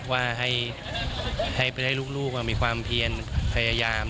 ว่าให้ลูกมีความเพียนพยายาม